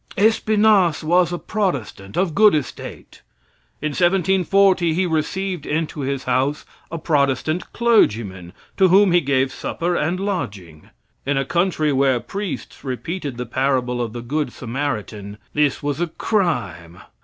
Espenasse was a Protestant, of good estate. In 1740 he received into his house a Protestant clergyman, to whom he gave supper and lodging. In a country where priests repeated the parable of the "Good Samaritan" this was a crime.